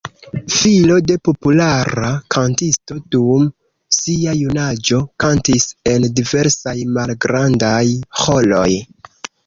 Filo de populara kantisto, dum sia junaĝo kantis en diversaj malgrandaj ĥoroj.